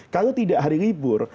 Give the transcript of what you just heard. kalau tidak hari libur